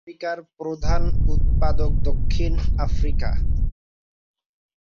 আফ্রিকার প্রধান উৎপাদক দক্ষিণ আফ্রিকা।